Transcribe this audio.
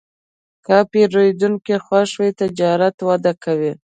که پیرودونکی خوښ وي، تجارت وده کوي.